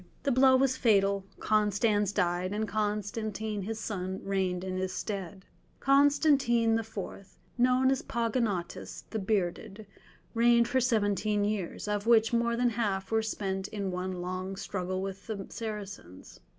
The blow was fatal, Constans died, and Constantine his son reigned in his stead. Constantine IV., known as Pogonatus, "the Bearded," reigned for seventeen years, of which more than half were spent in one long struggle with the Saracens.